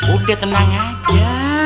udah tenang aja